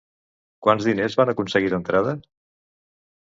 Quants diners van aconseguir d'entrada?